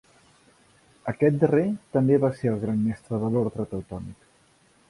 Aquest darrer també va ser el Gran Mestre de l'Ordre Teutònic.